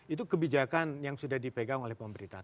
itu kebijakan yang sudah dipegang oleh pemerintah